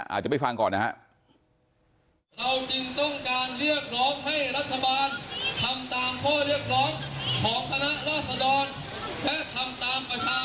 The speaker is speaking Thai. อาจจะไปฟังก่อนนะฮะ